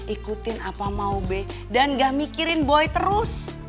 ikutin apa mau b dan gak mikirin boy terus